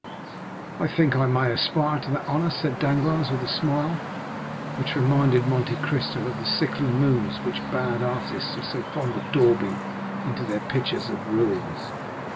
"I think I may aspire to that honor," said Danglars with a smile, which reminded Monte Cristo of the sickly moons which bad artists are so fond of daubing into their pictures of ruins.